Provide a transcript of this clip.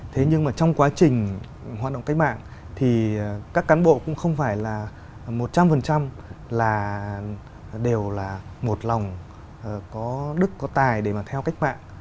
thế nhưng mà trong quá trình hoạt động cách mạng thì các cán bộ cũng không phải là một trăm linh là đều là một lòng có đức có tài để mà theo cách mạng